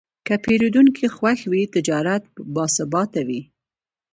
که پیرودونکی خوښ وي، تجارت باثباته وي.